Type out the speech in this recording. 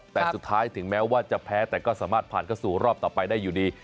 แต่สุดท้ายถึงแม้ว่าจะแพ้แต่ก็สามารถผ่านเข้าสู่รอบต่อไปได้อยู่ดี